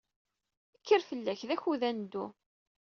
Kker fell-ak, d akud ad neddu.